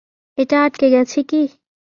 এটা আটকে গেছে -কী?